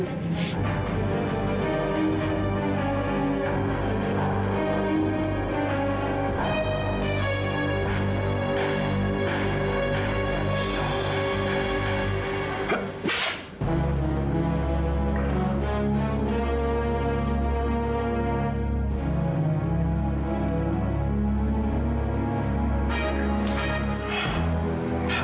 aku harus lupain